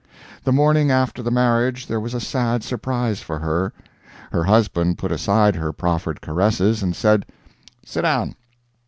The morning after the marriage there was a sad surprise for her. Her husband put aside her proffered caresses, and said: "Sit down.